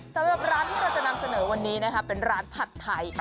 สำหรับร้านที่เราจะนำเสนอวันนี้นะคะเป็นร้านผัดไทย